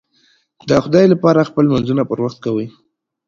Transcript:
د خدای لپاره خپل لمونځونه پر وخت کوئ